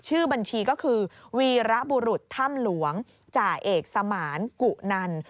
ชื่อบัญชีก็คือวีระบุรุษถ้ำหลวงจ่าเอกสมานกุนัน